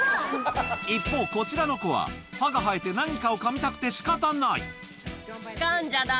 一方こちらの子は、歯が抜けて何かをかみたくてしかたない。